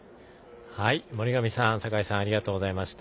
森上さん、酒井さんありがとうございました。